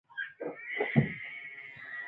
خو د ريښو د شلېدو د وېرې د واپس راښکلو